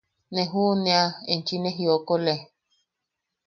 –Ne juʼunea, enchi ne jiokole.